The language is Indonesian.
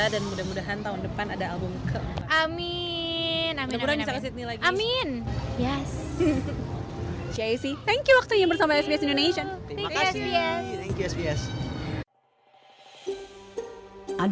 dan mudah mudahan tahun depan ada album keempat